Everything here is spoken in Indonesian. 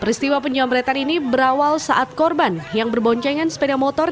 peristiwa penyamretan ini berawal saat korban yang berboncengan sepeda motor